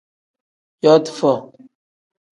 Yooti foo.